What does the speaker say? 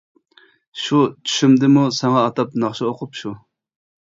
شۇ چۈشۈمدىمۇ ساڭا ئاتاپ ناخشا ئوقۇپ شۇ.